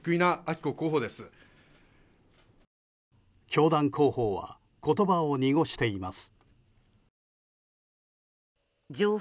教団広報は言葉を濁しています。